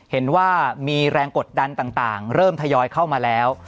เห็นว่ามีแรงกดดันต่างเริ่มทยอยเข้ามาแล้ว